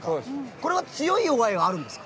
これは強い弱いはあるんですか？